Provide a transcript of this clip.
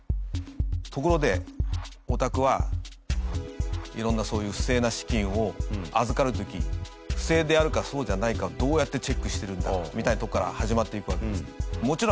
「ところでお宅はいろんなそういう不正な資金を預かる時不正であるかそうじゃないかをどうやってチェックしてるんだ」みたいなところから始まっていくわけですよ。